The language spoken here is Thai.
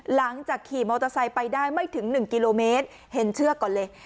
ขี่มอเตอร์ไซค์ไปได้ไม่ถึง๑กิโลเมตรเห็นเชือกก่อนเลย